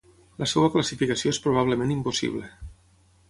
La seva classificació és probablement impossible.